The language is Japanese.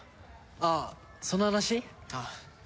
ああその話？ああ。